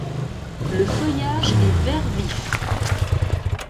Le feuillage est vert vif.